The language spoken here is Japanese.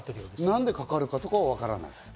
何でかかるかは分からない。